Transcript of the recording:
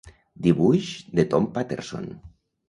Dibuix de Tom Paterson.